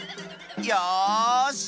よし！